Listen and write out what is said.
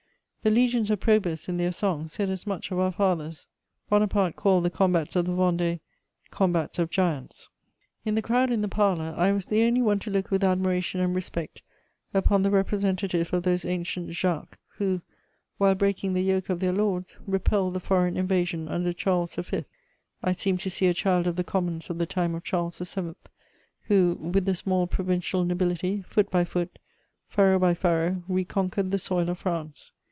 The legions of Probus, in their song, said as much of our fathers. Bonaparte called the combats of the Vendée "combats of giants." [Sidenote: A Vendean peasant.] In the crowd in the parlour, I was the only one to look with admiration and respect upon the representative of those ancient "Jacques," who, while breaking the yoke of their lords, repelled the foreign invasion under Charles V.: I seemed to see a child of the Commons of the time of Charles VII., who, with the small provincial nobility, foot by foot, furrow by furrow, reconquered the soil of France.